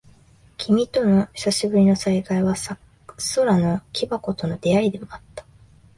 君との久しぶりの再会は、空の木箱との出会いでもあった。